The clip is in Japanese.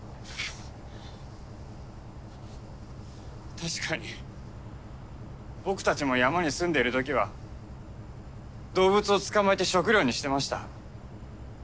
確かに僕たちも山に住んでいる時は動物を捕まえて食糧にしてました。